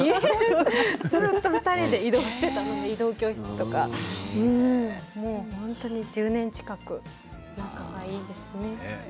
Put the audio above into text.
ずっと２人で移動していたり移動教室とか１０年近く仲がいいですね。